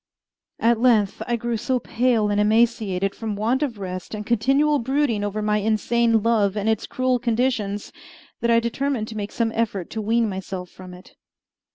At length I grew so pale and emaciated, from want of rest and continual brooding over my insane love and its cruel conditions, that I determined to make some effort to wean myself from it.